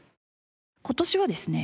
今年はですね